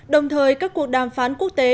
đồng thời các cuộc đàm phán quốc tế